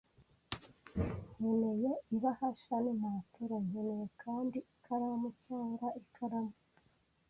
Nkeneye ibahasha n'impapuro. Nkeneye kandi ikaramu cyangwa ikaramu.